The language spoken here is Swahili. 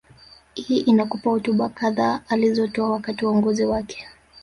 Hii inakupa hotuba kadhaa alizotoa wakati wa uongozi wake